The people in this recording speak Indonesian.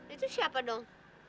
itu siapa dong